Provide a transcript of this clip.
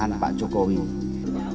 kami bersepakat untuk terus saling bersinergi